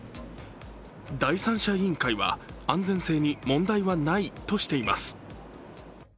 第三者委員会は、安全性に問題はないとしています。